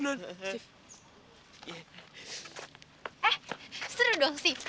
eh seru dong sih